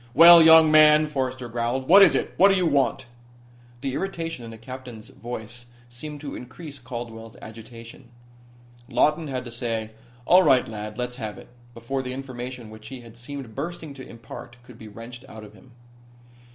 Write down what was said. "Well, young man," Forrester growled. "What is it? What do you want?" The irritation in the captain's voice seemed to increase Caldwell's agitation. Lawton had to say: "All right, lad, let's have it," before the information which he had seemed bursting to impart could be wrenched out of him.